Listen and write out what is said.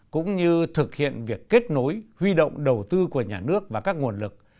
cũng như thực hiện việc kết nối huy động đầu tư của nhà nước và các nguồn lực